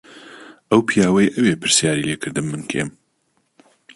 ئەو پیاوەی ئەوێ پرسیاری لێ کردم من کێم.